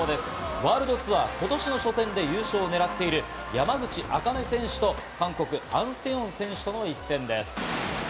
ワールドツアー、今年の初戦で優勝をねらっている山口茜選手と韓国、アン・セヨン選手との一戦です。